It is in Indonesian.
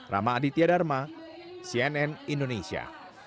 rama aditya dharma cnn indonesia